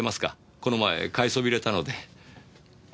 この前買いそびれたので。